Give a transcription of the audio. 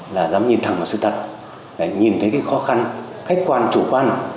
là dám nhìn thẳng vào sự thật nhìn thấy cái khó khăn khách quan chủ quan